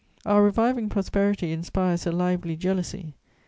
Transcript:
Our reviving prosperity inspires a lively jealousy.